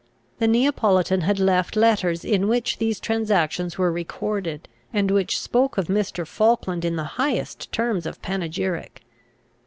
The Neapolitan had left letters in which these transactions were recorded, and which spoke of Mr. Falkland in the highest terms of panegyric.